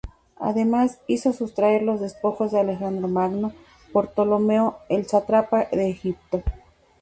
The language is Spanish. Además hizo sustraer los despojos de Alejandro Magno por Ptolomeo, el sátrapa de Egipto.